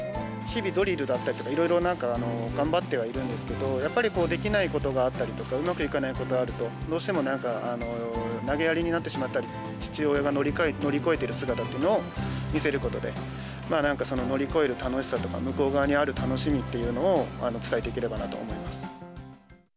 日々、ドリルだったりとか、いろいろなんか、頑張ってはいるんですけど、やっぱりできないことがあったりとか、うまくいかないことがあると、どうしてもなんかなげやりになってしまったり、父親が乗り越えている姿というのを見せることで、なんか乗り越える楽しさとか、向こう側にある楽しみというのを伝えていければなと思いました。